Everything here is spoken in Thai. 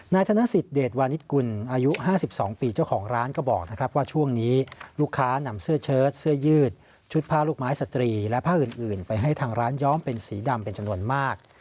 ธนสิทธิเดชวานิสกุลอายุ๕๒ปีเจ้าของร้านก็บอกนะครับว่าช่วงนี้ลูกค้านำเสื้อเชิดเสื้อยืดชุดผ้าลูกไม้สตรีและผ้าอื่นไปให้ทางร้านย้อมเป็นสีดำเป็นจำนวนมาก